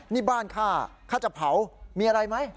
นี่บ้านข้าข้าจะเผามีอะไรไหม